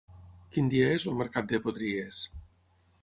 Quin dia és el mercat de Potries?